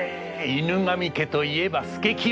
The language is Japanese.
「犬神家」といえば佐清！